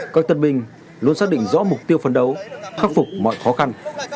các tân binh luôn xác định rõ mục tiêu phấn đấu khắc phục mọi khó khăn